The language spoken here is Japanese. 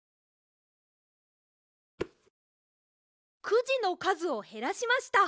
くじのかずをへらしました。